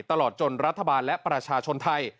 ตลอดจนรัฐบาลและประชาชนไทย